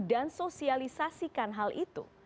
dan sosialisasikan hal itu